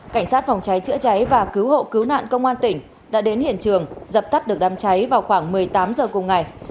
cảnh sát phòng cháy chữa cháy và cứu hộ cứu nạn công an tỉnh đã đến hiện trường dập tắt được đám cháy vào khoảng một mươi tám h cùng ngày